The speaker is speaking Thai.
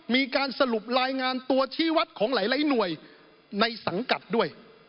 มีการสรุปรายงานตัวชี้วัดของหลายหน่วยในสังกัดด้วย